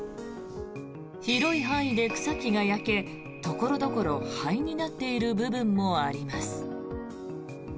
広い範囲で草木が焼け所々灰になっている部分もあります。